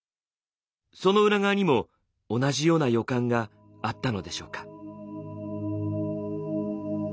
その裏側にも同じような予感があったのでしょうか。